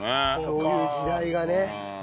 そういう時代がね。